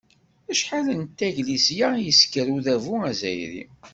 Acḥal d taglisya i isekkeṛ Udabu azzayri!